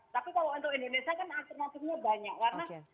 tapi kalau untuk indonesia kan alternatifnya banyak karena